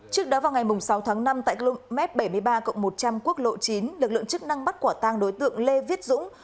trước đó vào ngày sáu tháng năm tại lúc m bảy mươi ba một trăm linh quốc lộ chín lực lượng chức năng bắt quả tang đối tượng lê viết dũng